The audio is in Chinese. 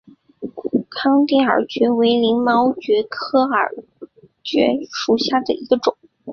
康定耳蕨为鳞毛蕨科耳蕨属下的一个种。